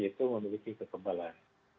itu memiliki kekebalan